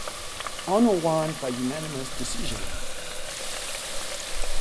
Ono won by unanimous decision.